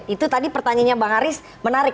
itu tadi pertanyaannya bang haris menarik